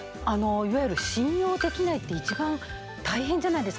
いわゆる「信用できない」って一番大変じゃないですか。